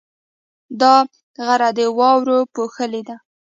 دا غره د واورو پوښلی دی.